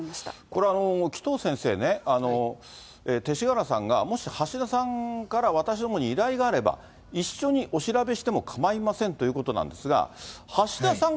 これ紀藤先生ね、勅使河原さんが、もし橋田さんから私どもに依頼があれば、一緒にお調べしても構いませんということなんですが、橋田さん